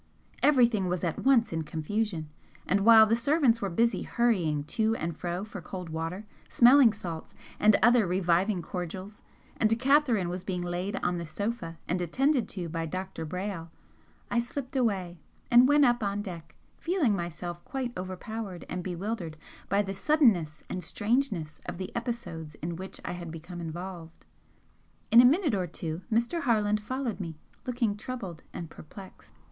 Everything was at once in confusion, and while the servants were busy hurrying to and fro for cold water, smelling salts and other reviving cordials, and Catherine was being laid on the sofa and attended to by Dr. Brayle, I slipped away and went up on deck, feeling myself quite overpowered and bewildered by the suddenness and strangeness of the episodes in which I had become involved. In a minute or two Mr. Harland followed me, looking troubled and perplexed.